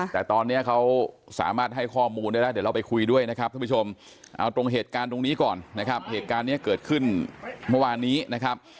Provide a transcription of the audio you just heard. แต่ตอนนี้เขาสามารถให้ข้อมูลได้แล้วเดี๋ยวเราไปคุยด้วยนะครับท่านผู้ชมเอาตรงเหตุการณ์ตรงนี้ก่อนนะครับเหตุการณ์นี้เกิดขึ้นเมื่อวานนี้นะครับ